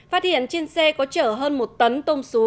phát hiện trên xe có chở hơn một tấn tôm xúa